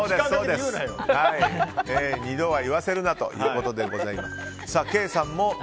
２度は言わせるなということでございます。